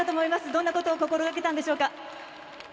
どんなことを心がけたんでしょうか？